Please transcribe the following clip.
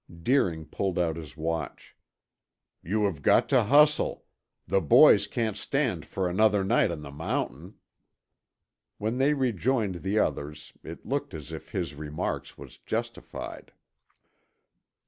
Deering pulled out his watch. "You have got to hustle. The boys can't stand for another night on the mountain." When they rejoined the others, it looked as if his remark was justified.